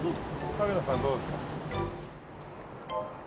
カメラさんどうですか？